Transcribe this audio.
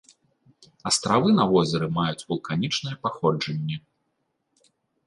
Астравы на возеры маюць вулканічнае паходжанне.